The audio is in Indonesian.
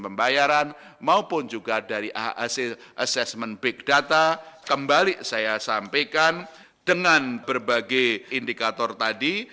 pembayaran maupun juga dari hasil assessment big data kembali saya sampaikan dengan berbagai indikator tadi